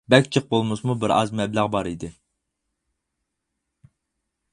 بەك جىق بولمىسىمۇ بىر ئاز مەبلەغ بار ئىدى.